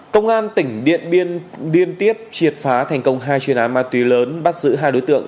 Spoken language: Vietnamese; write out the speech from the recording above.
công an tỉnh điện biên điên tiếp triệt phá thành công hai chuyên án mà tùy lớn bắt giữ hai đối tượng